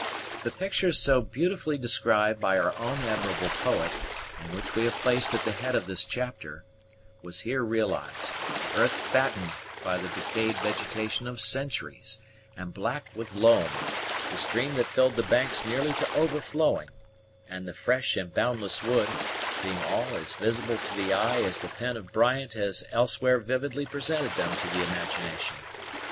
The picture so beautifully described by our own admirable poet, and which we have placed at the head of this chapter, was here realized; the earth fattened by the decayed vegetation of centuries, and black with loam, the stream that filled the banks nearly to overflowing, and the "fresh and boundless wood," being all as visible to the eye as the pen of Bryant has elsewhere vividly presented them to the imagination.